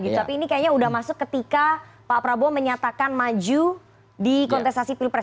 tapi ini kayaknya udah masuk ketika pak prabowo menyatakan maju di kontestasi pilpres